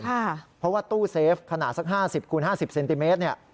เพราะว่าตู้เซฟขนาดสัก๕๐คูณ๕๐เซนติเมตรเนี่ย